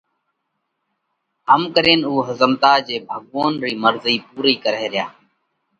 ھم ڪرينَ اُو ۿزمتا جي ڀڳوونَ رئِي مرضئِي پُورئِي ڪرئھ ريا۔